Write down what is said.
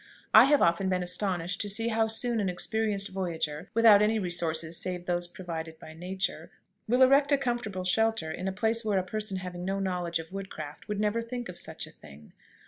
I have often been astonished to see how soon an experienced voyager, without any resources save those provided by nature, will erect a comfortable shelter in a place where a person having no knowledge of woodcraft would never think of such a thing.